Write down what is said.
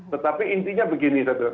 tetapi intinya begini